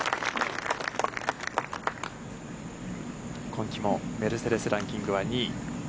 今季もメルセデス・ランキングは２位。